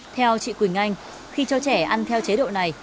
theo chị quỳnh anh khi cho trẻ ăn theo chế độ này